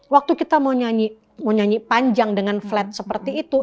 waktu kita mau nyanyi panjang dengan flat seperti itu